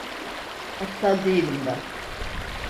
Aptal değilim ben.